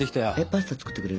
パスタ作ってくれる？